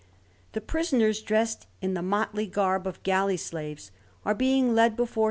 The prisoners, dressed in the motley garb of galley slaves, are being led before S.